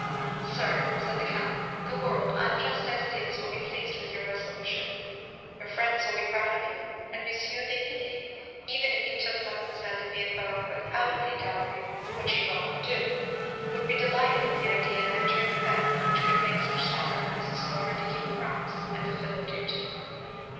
"Sir," said the count, "the world, unjust as it is, will be pleased with your resolution; your friends will be proud of you, and M. d'Épinay, even if he took Mademoiselle de Villefort without any dowry, which he will not do, would be delighted with the idea of entering a family which could make such sacrifices in order to keep a promise and fulfil a duty."